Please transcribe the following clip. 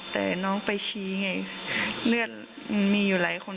แต่น้องไปชี้ไงเลือดมันมีอยู่หลายคน